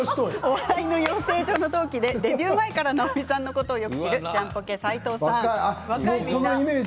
お笑いの養成所の同期でデビュー前から直美さんのことをよく知るジャンポケ斉藤さん。